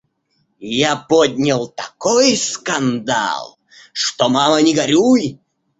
Я поднял такой скандал, что мама не горюй!